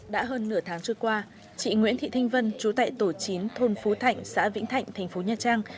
đã hơn nửa tháng trước qua chị nguyễn thị thanh vân trú tại tổ chín thôn phú thạnh xã vĩnh thạnh tp nha trang